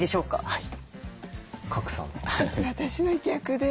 はい。